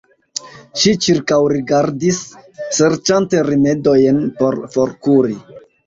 Ŝi ĉirkaŭrigardis, serĉante rimedojn por forkuri.